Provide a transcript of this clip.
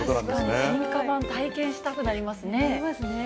確かに進化版、体験したくななりますね。